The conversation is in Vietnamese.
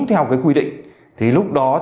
theo quy định thì lúc đó